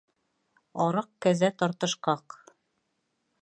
Арыҡ кәзә тартышҡаҡ